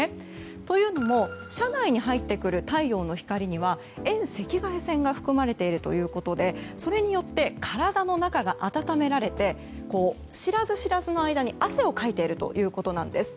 というのも車内に入ってくる太陽の光には遠赤外線が含まれているということでそれによって体の中が温められて知らず知らずの間に汗をかいているということです。